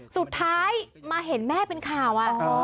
สุดท้ายมาเห็นแม่เป็นข่าว